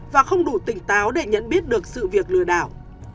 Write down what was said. và không đủ tỉnh táo để nhận biết được sự việc lừa đảo